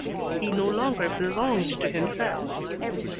He no longer belonged to himself.